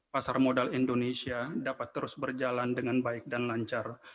pasar modal indonesia dapat terus berjalan dengan baik dan lancar